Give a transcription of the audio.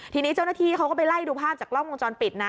ทีนี้เจ้าหน้าที่เขาก็ไปไล่ดูภาพจากกล้องวงจรปิดนะ